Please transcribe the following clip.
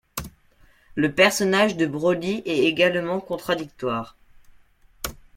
Le personnage de Broly est également contradictoire.